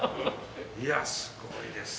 いやすごいですね。